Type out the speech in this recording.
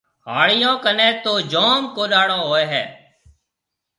هاڙِيون ڪنَي تو جوم ڪوڏاڙون هوئي هيَ۔